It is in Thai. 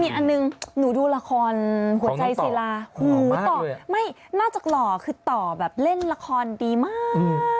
อันหนึ่งหนูดูละครหัวใจศิลาหูต่อไม่น่าจะหล่อคือต่อแบบเล่นละครดีมาก